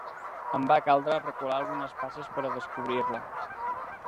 Em va caldre recular algunes passes per a descobrir-la.